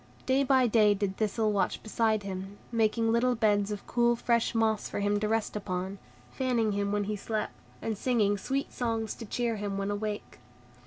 Day by day did Thistle watch beside him, making little beds of cool, fresh moss for him to rest upon, fanning him when he slept, and singing sweet songs to cheer him when awake.